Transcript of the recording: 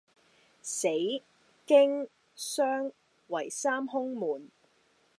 死、驚、傷為三凶門。